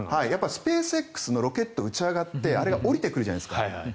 スペースＸのロケットが打ち上がってあれが下りてくるじゃないですか。